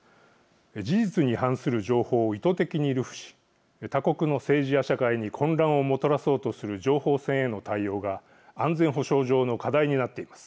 事実に反する情報を意図的に流布し他国の政治や社会に混乱をもたらそうとする情報戦への対応が安全保障上の課題になっています。